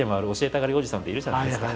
たがりおじさんっているじゃないですか。